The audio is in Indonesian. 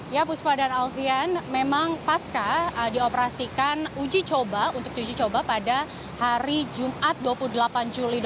ya puspa dan alfian memang pasca dioperasikan uji coba untuk uji coba pada hari jumat dua puluh delapan juli dua ribu dua puluh